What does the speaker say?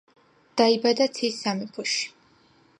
დაიბადა ცის სამეფოში.